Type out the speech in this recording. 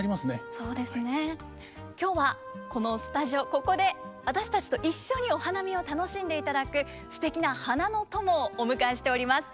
ここで私たちと一緒にお花見を楽しんでいただくすてきな花の友をお迎えしております。